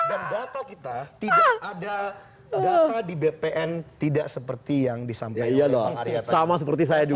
dan data kita tidak ada data di bpn tidak seperti yang disampaikan oleh pak ariyata